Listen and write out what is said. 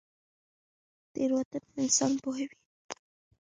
تیروتنه انسان پوهوي